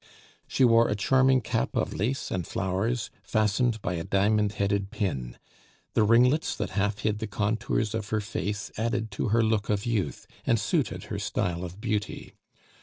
She wore a charming cap of lace and flowers, fastened by a diamond headed pin; the ringlets that half hid the contours of her face added to her look of youth, and suited her style of beauty.